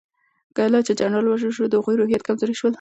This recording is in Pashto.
کله چې جنرال ووژل شو د هغوی روحيات کمزوري شول.